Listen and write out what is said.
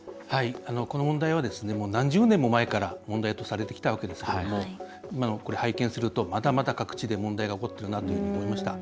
この問題は何十年も前から問題とされてきたわけですけれども今の拝見すると、まだまだ各地で問題が起こってるなと思いました。